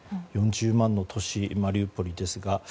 ４０万の都市マリウポリですが。